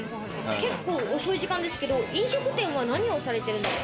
結構遅い時間ですけど、飲食店は何をされてるんですか？